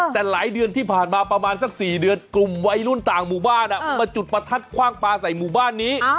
แต่หลายเดือนที่ผ่านมาประมาณสัก๔เดือนกลุ่มวัยรุ่นต่างหมู่บ้านมาจุดประทัดคว่างปลาใส่หมู่บ้านนี้